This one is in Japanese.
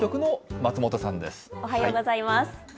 おはようございます。